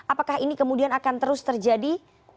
apakah ini kemudian akan terus terjadi